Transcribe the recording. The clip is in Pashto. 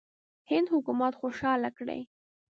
هند حکومت خوشاله کړي.